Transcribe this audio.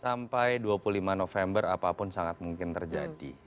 sampai dua puluh lima november apapun sangat mungkin terjadi